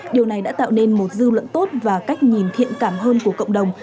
điều này đã tạo nên một dư luận tốt và cách nhìn thiện cảm hơn của cộng đồng